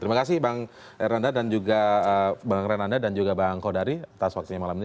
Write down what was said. terima kasih bang renanda dan juga bang kodari atas waktunya malam ini